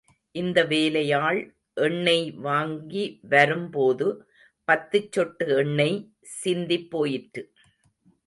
இந்த வேலையாள் எண்ணெய் வாங்கி வரும் போது, பத்துச் சொட்டு எண்ணெய் சிந்திப் போயிற்று.